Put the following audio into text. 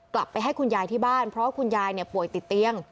กลับไปให้คุณยายที่บ้านเพราะว่าคุณยายป่วยติดเตียง